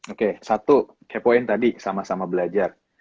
oke satu key point tadi sama sama belajar